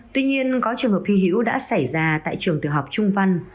tuy nhiên có trường hợp hy hữu đã xảy ra tại trường tiểu học trung văn